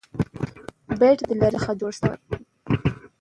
بیټ د لرګي څخه جوړ يي.